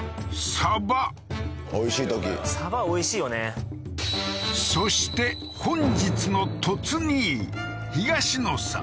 サバおいしいよねそして本日の突兄ぃ東野さん